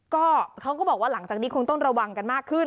ก็เขาก็บอกว่าหลังจากนี้คงต้องระวังกันมากขึ้น